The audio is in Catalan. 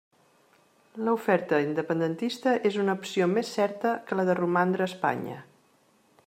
L'oferta independentista és una opció més certa que la de romandre a Espanya.